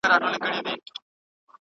له ډوډۍ مخکې باید لاسونه پاک ووینځئ.